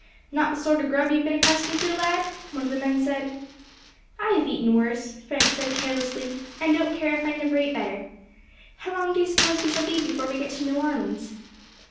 "Not the sort of grub you have been accustomed to, lad," one of the men said. "I have eaten worse," Frank said carelessly, "and don't care if I never eat better. How long do you suppose we shall be before we get to New Orleans?"